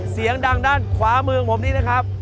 เสียงดังด้านขวามือของผมนี่นะครับ